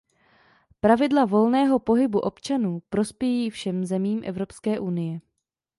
Pravidla volného pohybu občanů prospějí všem zemím Evropské unie.